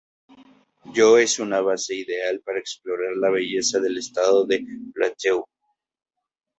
Jos es una base ideal para explorar la belleza del estado de Plateau.